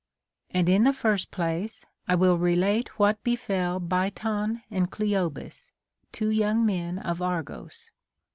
And in the first place, I will re late what befell Biton and Cleobis, two young men of Argos.